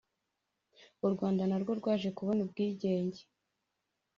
U rwanda narwo rwaje kubona ubwigenge